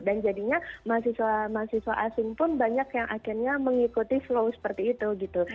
dan jadinya mahasiswa mahasiswa asing pun banyak yang akhirnya mengikuti flow seperti itu gitu